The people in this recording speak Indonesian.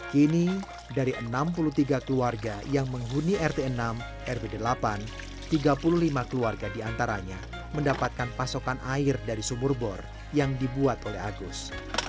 kini dari enam puluh tiga keluarga yang menghuni rt enam rb delapan tiga puluh lima keluarga diantaranya mendapatkan pasokan air dari sumur bor yang dibuat oleh agus